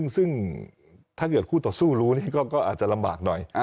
ซึ่งถ้าเกิดคู่ต่อสู้รู้นี่ก็อาจจะลำบากหน่อย